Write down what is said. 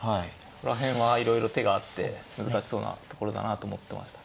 ここら辺はいろいろ手があって難しそうなところだなと思ってました。